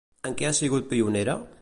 En què ha sigut pionera?